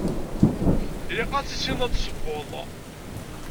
Ilaq ad tissineḍ ad tessewweḍ.